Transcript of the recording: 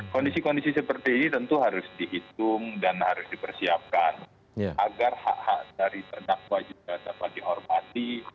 kondisi kondisi seperti ini tentu harus dihitung dan harus dipersiapkan agar hak hak dari terdakwa juga dapat dihormati